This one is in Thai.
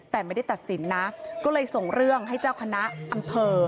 แต่ไม่ได้ตัดสินนะก็เลยส่งเรื่องให้เจ้าคณะอำเภอ